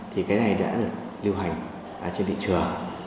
thì cái này đã được lưu hành trên thị trường